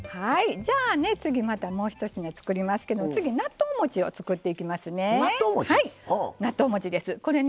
じゃあ、次もうひと品作りますけど次、納豆もちを作っていきますね。